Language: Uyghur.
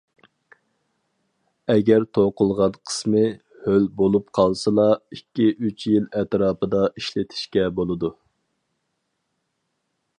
ئەگەر توقۇلغان قىسمى ھۆل بولۇپ قالمىسىلا ئىككى، ئۈچ يىل ئەتراپىدا ئىشلىتىشكە بولىدۇ.